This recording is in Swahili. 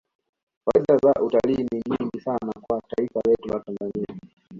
faida za utalii ni nyingi sana kwa taifa letu la tanzania